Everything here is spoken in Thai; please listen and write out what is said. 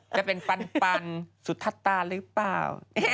จะเป็นปันสุทัศตาหรือเปล่า